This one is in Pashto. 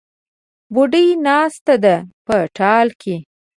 بوډۍ ناسته ده په ټال کې